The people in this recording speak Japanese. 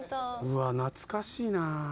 うわ懐かしいな。